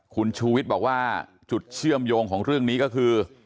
คุณชูวิทย์บอกว่าจุดเชื่อมโยงของเรื่องนี้ก็คือ